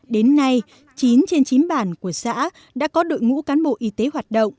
đến nay chín trên chín bản của xã đã có đội ngũ cán bộ y tế hoạt động